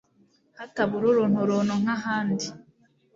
hatabura urunturuntu nk'ahandi